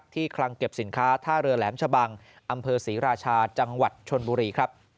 คลังเก็บสินค้าท่าเรือแหลมชะบังอำเภอศรีราชาจังหวัดชนบุรีครับ